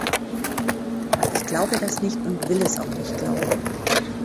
Ich glaube das nicht und will es auch nicht glauben.